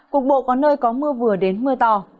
cục bộ có nơi có mưa vừa đến mưa to